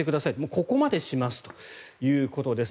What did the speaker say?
ここまでしますということです。